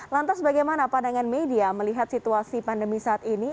lantas bagaimana pandangan media melihat situasi pandemi saat ini